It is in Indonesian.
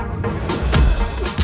aku peduli kayaknya darola dan lee